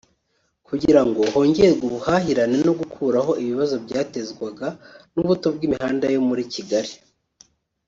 kugira ngo hongerwe ubuhahirane no gukuraho ibibazo byatezwaga n’ubuto bw’imihanda yo muri Kigali